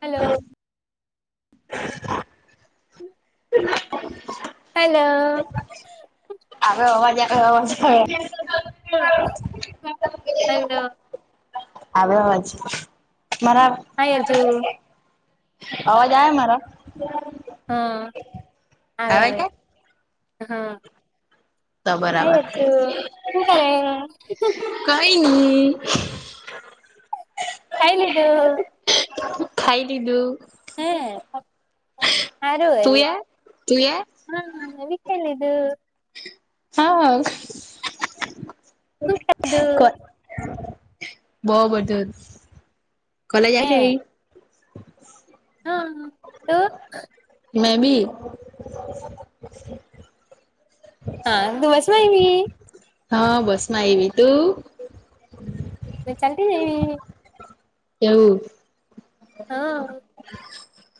Hello હ [unintelligible] હમ hello આવ અવાજ આવે અવાજ આવે હલો [unintelligible] આવ્યો અવાજ છે મારા હાય અજુ અવાજ આ મારા હા આવે આવે હા તો બરાબર આતું શું કર કઈ નહી કાઈ લટું ખાઈ દલું હ સારું તુંએ તુંએ હા મેભી ખાઈલીદું હા હા શું કો ખાધું બહ બધ કલે જ હે કે હા તો મેં બી હા દિવસમઈની હા બસ માં આયવી તું. તો ચાતી એવી કેવું હા [unintelligible]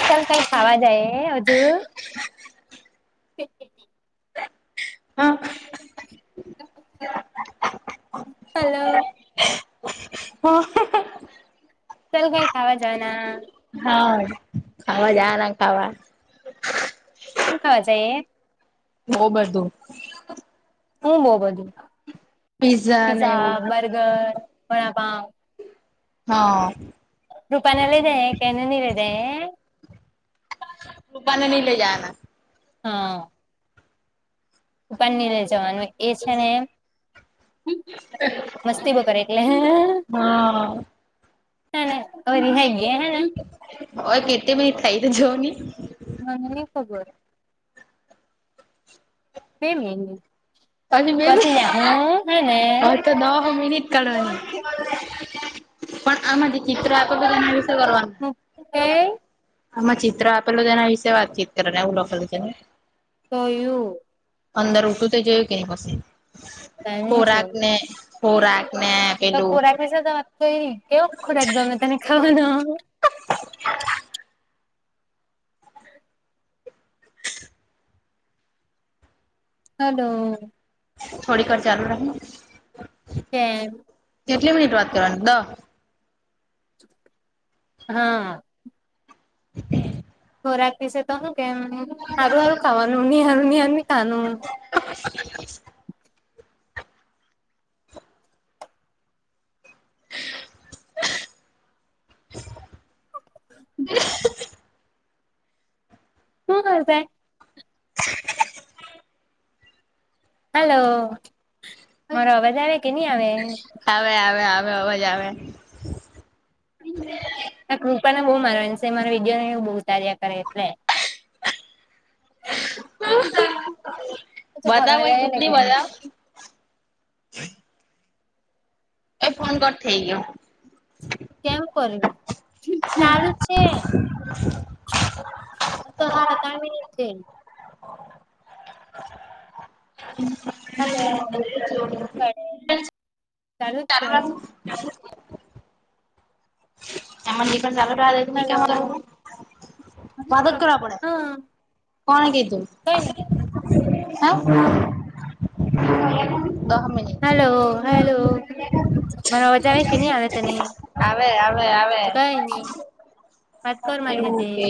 કમ કઈ ખાવા જાય હજુ તે કેને હા. હેલો. હ હક. ચાલ કઈ ખાવા જના. હા ખાવા જા ના ખાવા. હું ખાવા સ એ. બઉ બધું. હું બહ બધું ને પીઝા એવું બર્ગર વડાપાવ. હા. તુ બનાવી દે કેનનીલઇજાયે. પપ્પાન નઈ લઈ જવાના. હા. પપ્પાન લઈ જવાનું એ છે ને એમ મસ્તી બઉ કર એટલે હેહેહ. હા હેને અવ રિહાઈ ગ્યા હેને. ઓઈ કેટી મિનીટ થઈ તે જોને મને ની ખબર બે મિનિટ પછી જા હું હેને [unintelligible] હા તો દહ મિનીટ કાઢવાની પણ આમાંથી ચિત્ર આપે, બધા ને વિશે કરવાનું. કઈ આમાં ચિત્ર આપેલું તેના વિશે વાતચીત કરે ને, એવું લખેલું છે ને. કયું? અંદર ઉઠું તો જોયું કે નહીં પછી. તને ખોરાક જોયું ને ખોરાક ને તો પેલું ખોરાક વિશે તમે કંઈ, કેવો ખોરાક ગમે તને ખાવાનો? હલો. થોડીકવાર ચાલુ રાખને. કેમ કેટલી મિનિટ વાત કરવાની. હા. ખોરાક વિશે તો કેવાનું, સારું સારું ખાવાનું, નિહારું નિહારુ નીખાવાનું. [inaudible] [inaudible] [inaudible] [unintelligible] હલો, મારો અવાજ આવે કે નહી આવે. આવે, આવે, આવે અવાજ આવે. ને કૃપાને બહું મારવાની સે, મારો વિડયોને એવું બહુ ઉતાર્યા કરે એટલે. બતાવો એ ગ્રુપની બતાવ [unintelligible] એ ફોન કટ થઈ ગ્યો. [unintelligible] [unintelligible] હલો [inaudible] ચાલુ જ છે [unintelligible] [unintelligible] મદદ હલો કરવા પડે હા કોણે કીધુ? કઈ નહી. દહ મિનિટ હલો હલો મારા અવાજ આવે કે નહી આવે તને? આવે આવે આવે કઈ નહી વાત કર મારી એવું હાથે કે?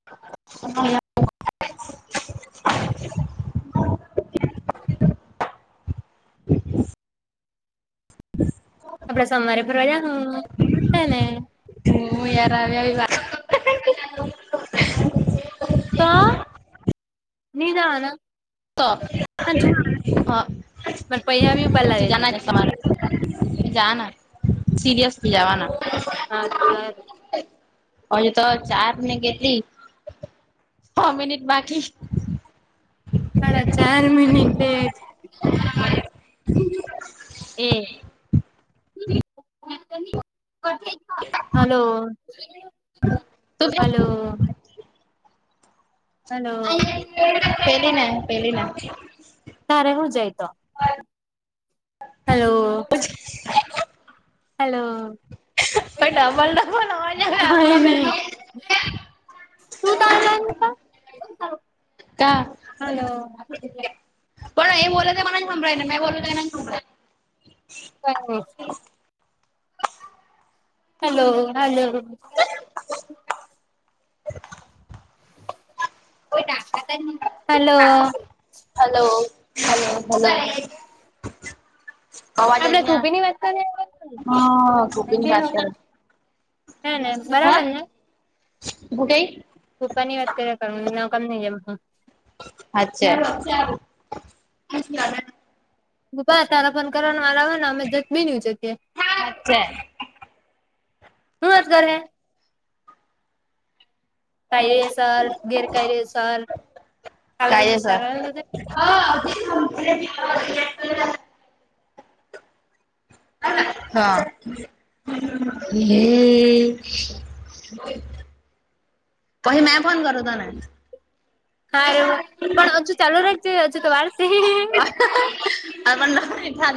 [unintelligible] [inaudible] [inaudible] [inaudible] આપડે સોમવારે ફરવા ગ્યા હ હે ને. [unintelligible] [unintelligible] હાચું પણ પૈહા બી ઉપાડ [unintelligible] લાવેલી જાને સીરિયસલી જવાના. હા. હજ તો ચાર મને ગટલી છ મિનિટ બાકી. સાડા ચાર મિનિટ બેઠ [unintelligible] એ હલો તું હલો. હલો. પહેલી ના પહેલી ના. તારે હું જાય તો હલો. [unintelligible] હલો ડબલ ડબલ અવાજ આવે હાહા આપડો એ નઈ. બેનો તું તા જાન તા. કા પણ એ બોલો તો મનેને સંભળાયન મેં બોલું તો એનન સંબળાય. Hello hello. Hello. Hello hello hello. અવાજ આપડે નહીં આવ કુપી ની વાત કરીએ હ ગોપીની વાત કરશ. હે બરાબર ને. ગુટે. તૂ પાની વાત કરે કર નકમ ન જેમ હ. અચ્છા. ભૂપા તારા પણ કરવાનું વારો આવે ને અમે જત બીનની ઉચકીએ. અચ્છા. હું અજગર હે. કાયદેસર ગેરકાયદેસર કાલાભજ વિ કાયદેસર સારનુ સે. [inaudible] હા એ. [unintelligible] પહી મેં ફોન કરું તોને. હા ર પણ હજુ ચાલુ રાખજે હજુ તો વારસે હેહેહે. [unintelligible] અચછા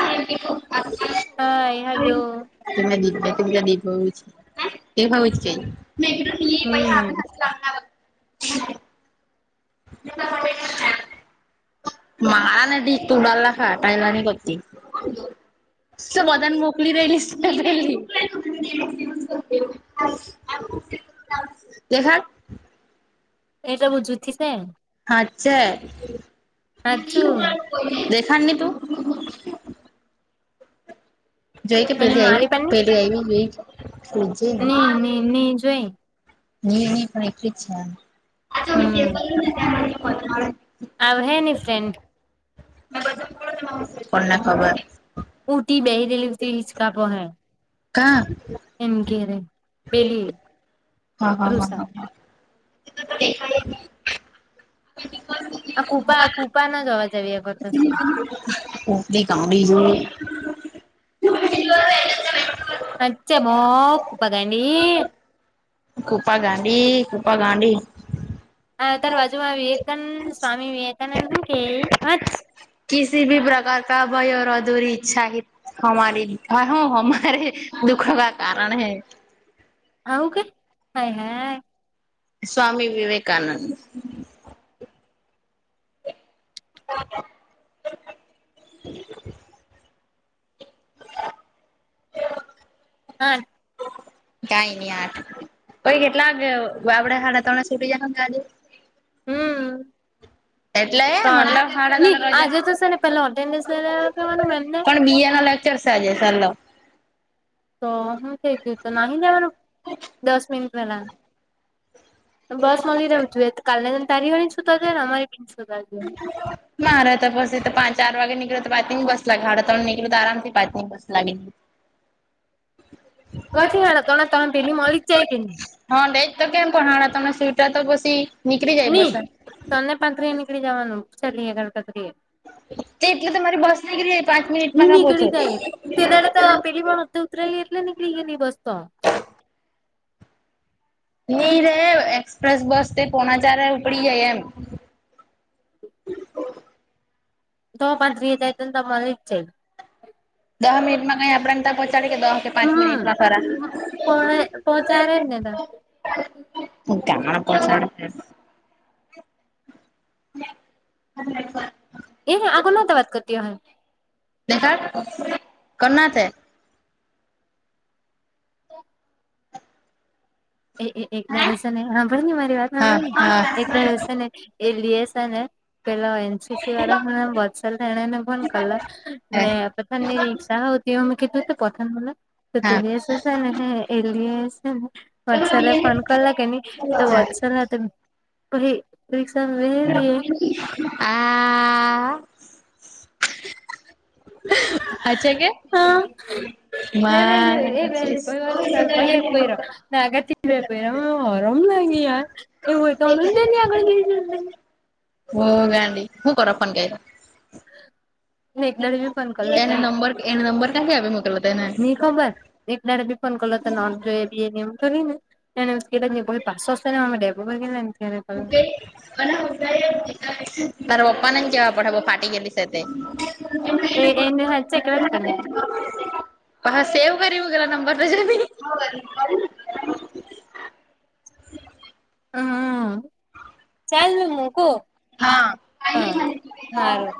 હ. એ હાજો તને દીધું મેં ત્રીજા દિવસે ધોયું છે [inaudible] હમ [inaudible] [inaudible] મારા દી તું ડાલલા ખાટાઈલાની પતી [inaudible] ખુલી રહી ગઈશ દેખાડ એટો બઉ જુથીસે. હાચ્ચે. હાચ્ચું. દેખાર નીતું. જોઈ કે અને પેલી આવી મારી પાહે પેલી આવી જોઈ. ની ની ની જોઈન. ની ની પણ એકલી જ છે હમ [inaudible] આવ હે એની ફ્રેન્ડ [inaudible] કોને ખબર ઉટી બેહી રહેલી હતી હિંચકા પાહે કા એન ગેરે પેલી હા હા હા તૃષા હા હા [inaudible] આ કૂપા કૂપાનો જ અવાજ આવ્યા કરતો સે. ઉપડી કા બીજું પચ મો [inaudible] કૂપા ગાંડી કૂપા ગાંડી અ તાર બાજુમાં વિવેકાનંદ સ્વામી વિવેકાનંદ હું કે કસી ભી પ્રકાર કા ભય ઓર અધૂરી ઈચ્છા હી હમારી હા હમારે દુખ કા કારણ હૈ. આવું કે હાય હાય સ્વામી વિવેકાનંદ [inaudible] [inaudible] હા કાંઈ નહિ આઠ પછી કેટલા આગે આપણે સાડા તણે સુટી જાહુ કે સાંજે? હમ એટલે પણ મતલબ સાડા ની ત્રણ રજા આજે તો સેને પેલા એટેન્ડન્સ લઈ લેવા કેવાનું મેમને જલસા છે ફર લો તો હું કેય કે તો નાહી જવાનું? દસ મિનિટ પેલા બસ મલી રેવું જૂએ તો કાલના જેમ તારી હોની છૂતવા જુએ ને અમારી બી ની છૂતવા જુએ. મારે તો પછી તો પાંચ ચાર વાગે નીકળો તો પાંચની બસ લગાડે હાડા તણ નીકળ્યું તો આરામથી પાંચની બસ [unintelligible] કાથી મળે હા તણે તણને પેલી મળી જ જાય કે ની હા મેં જ તો કેમ કે તમે હાણા તણે સુયટા તો પછી નીકળી જાય ની બસ તણને પાંતરીએ નીકળી જવાનું ચલીએ ગણકતરીએ તે એટલે તો મારી બસ નિકરી જાય પાંચ હું મિનિટમાં ના નીકળી જાય તે દાડે તો પહોચે પેલી પણ અત ઉતરેલી એટલે નીકળી ગેલી બસ તો નહી રે એક્સપ્રેસ બસ તે પોનાચારે ઉપડી જાય એમ દહ પાતરી એ જાય તન તો મલી જ જાય. દહ મિનટમાં કાંઈ આપડાને તા પહંચાડે કે દહ કે પાંચ હમ મિનિટમાં ખરા પણ પહોંચાડે જ ને તો હું કામણા [inaudible] [inaudible] એ હુ! આ કોના સાથે વાત કરતી ‌ઓહે? દેખાડ કોણ સે? [inaudible] એ એક દહાડો સેને હાભર ની મારી વાતમાં હા હા હોભરની એક ના દાડો સેને એ લીએ સે ને પેલાવા એન છે પસી વાડામા વત્સલને એણે ફોન કરલો ને પથાનની રીક્સા હો હુતી અમે કીધું કે પથાન હુને તો તે હા દિવસે સેને હે એલી એ સેને આ વટસલે ફોન કરલો કે ની તો વટસલ ને તો પછી રીક્ષામાં બેહેલી આ હછે કે? હા એએક પેરો મેં આગળ બે પેરા ઓ હરામ લાગે યાર. એવું હોય તો અમે જ બે ની આગળ બેહી જાતે. બો ગાંડી હું કરવા ફોન કયરો? એકદાડી- એને નંબર એને નંબર ક્યાંથી આપી મુકેલો તુએને. એકદાળે બી ફોન કરલો તો નોટ જો બી એને એમ કરી ને. એને ઉચકેલો જ ની પછી પાછો છે ને અમે ડેપો પર ગેલા ને ત્યારે કરું [unintelligible] તાર પપ્પાને જ કેવા પડહે બો ફાટી ગેલી સે તે. એ એમ હાલ છેકડા કર પાસો સેવ કરી મુગેલા નંબર તો જોની. હમ્મ ચાલ મે મુકુ. હા હા સારું.